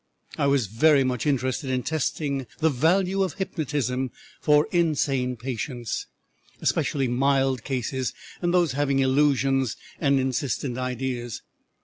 I was very much interested in testing the value of hypnotism for insane patients, especially mild cases and those having illusions and insistent ideas.